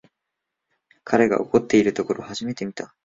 彼が怒ってるところ初めて見た